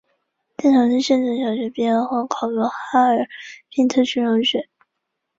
在长春县城小学毕业后考入哈尔滨特区中学。